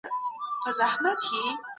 بیکاري په ټولنه کي فقر او غربت زیاتوي.